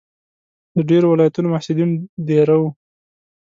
د ډېرو ولایتونو محصلین دېره وو.